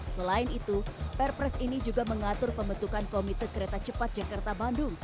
selain itu perpres ini juga mengatur pembentukan komite kereta cepat jakarta bandung